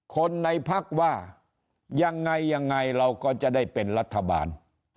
คนในพักว่ายังไงยังไงเราก็จะได้เป็นรัฐบาล